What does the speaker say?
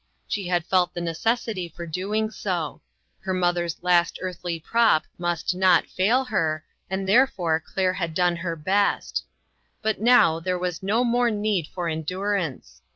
She had felt the necessity for doing so ; her mother's last earthly prop must not fail her, and therefore Claire had done her best. But now there was no more need for endurance.